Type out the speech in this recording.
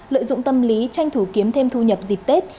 lợi dụng tâm lý tranh thủ kiếm thêm thu nhập dịp tết